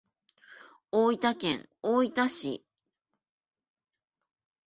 大分県大分市